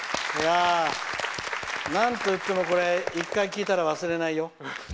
なんといってもこれ１回聴いたら忘れないよ。